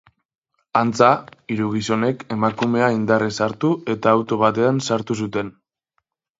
Antza, hiru gizonek emakumea indarrez hartu eta auto batean sartu zuten.